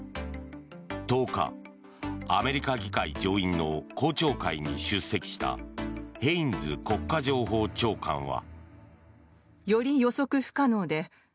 １０日、アメリカ議会上院の公聴会に出席したヘインズ国家情報長官は。